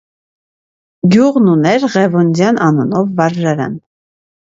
Գյուղն ուներ Ղևոնդյան անունով վարժարան։